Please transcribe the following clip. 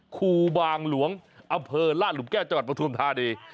คุบางหลวงอมล่านหลุมแก้ว๒จังหวัดประธุมธานี